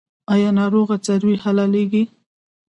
آیا ناروغه څاروي حلاليږي؟